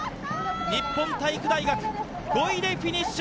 日本体育大学、５位でフィニッシュ。